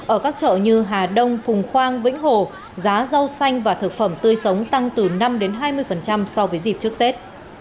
ở các chợ như hà đông phùng khoang vĩnh hồ giá rau xanh và thực phẩm tươi sống tăng từ năm hai mươi so với dịp trước tết